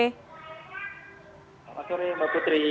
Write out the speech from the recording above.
selamat sore mbak putri